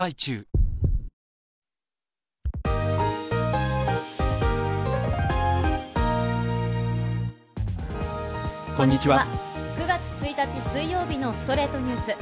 ９月１日、水曜日の『ストレイトニュース』。